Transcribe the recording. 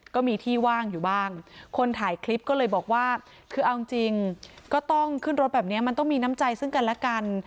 ก็มีที่ว่างอยู่บ้างคนถ่ายคลิปก็เลยบอกว่าคือเอาจริงก็ต้องขึ้นรถแบบนี้มันต้องมีน้ำใจซึ่งกันและกัน